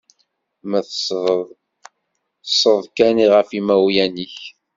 Ma teṣṣdeḍ, ṣṣed kan ɣef imawlan-ik!